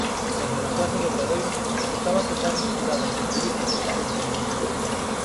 Mesmo na praza do Obradoiro custaba atopar mesturado entre os turistas algún peregrino.